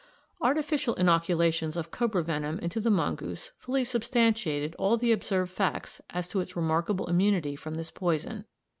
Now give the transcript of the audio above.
Artificial inoculations of cobra venom into the mongoose fully substantiated all the observed facts as to its remarkable immunity from this poison.